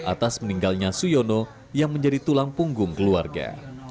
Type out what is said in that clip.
atas meninggalnya suyono yang menjadi tulang punggung keluarga